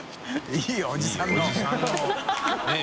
いいよおじさんのねぇ。